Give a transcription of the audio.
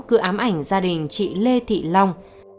cứ ám ảnh gia đình chị lê thị long